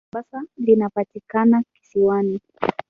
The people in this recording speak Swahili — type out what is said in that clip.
Jiji la Mombasa linapatikana kisiwani.